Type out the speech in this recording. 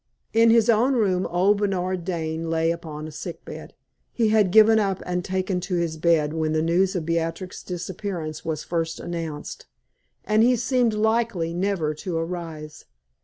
In his own room old Bernard Dane lay upon a sick bed; he had given up and taken to his bed when the news of Beatrix's disappearance was first announced, and he seemed likely never to arise.